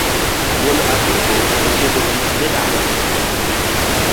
Wuon apiko otieko tich dhi dala.